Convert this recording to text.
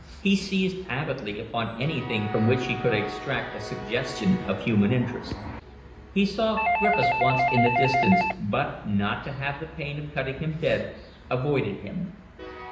He seized avidly upon anything from which he could extract a suggestion of human interest. He saw Griffiths once in the distance, but, not to have the pain of cutting him dead, avoided him.